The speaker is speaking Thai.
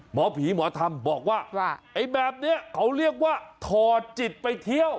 หมอผีหมอธรรมบอกว่าไอ้แบบนี้เขาเรียกว่าถอดจิตไปเที่ยว